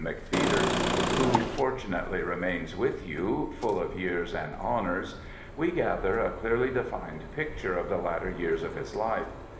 McPheeters, who fortunately remains with you, full of years and honours, we gather a clearly defined picture of the latter years of his life.